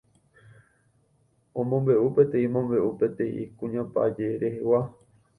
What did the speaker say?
Omombe'u peteĩ mombe'u peteĩ kuñapaje rehegua